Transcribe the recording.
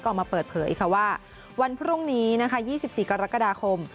ก็ออกมาเปิดเผยว่าวันพรุ่งนี้๒๔กรกฎาคม